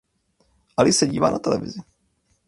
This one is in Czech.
Ali se dívá na televizi.